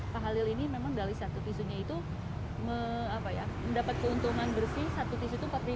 pak halil ini memang dari satu tisunya itu mendapat keuntungan bersih